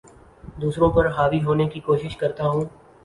دوسروں پر حاوی ہونے کی کوشش کرتا ہوں